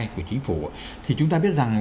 của chính phủ thì chúng ta biết rằng